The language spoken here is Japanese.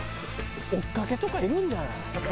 追っかけとかいるんじゃない？